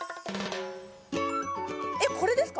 えっこれですか？